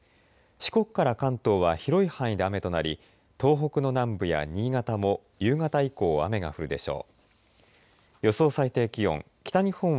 四国から関東は広い範囲で雨となり東北の南部や新潟も夕方以降雨が降るでしょう。